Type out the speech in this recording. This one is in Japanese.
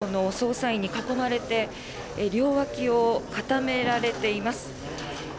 警視庁の捜査員に囲まれて両脇を固められています。